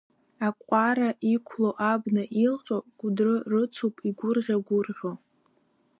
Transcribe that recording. Аҟәара иқәло, абна илҟьо, Кәыдры рыцуп игәырӷьа-гәырӷьо.